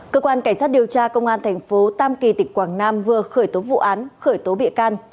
cơ quan cảnh sát điều tra công an thành phố tam kỳ tỉnh quảng nam vừa khởi tố vụ án khởi tố bị can